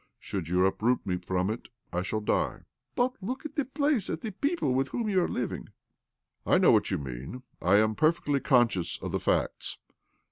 Should you uproot me from it, I 'shall die." " But look at the place, at the people with whom you are living !"" I know what you mean— I am perfectly conscious of the facts.